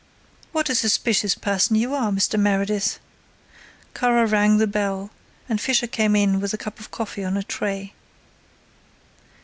"What a suspicious person you are, Mr. Meredith!" Kara rang the bell and Fisher came in with a cup of coffee on a tray.